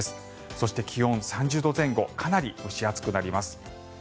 そして気温、３０度前後かなり蒸し暑くなります。